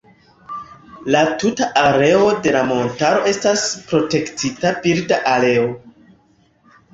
La tuta areo de la montaro estas Protektita birda areo.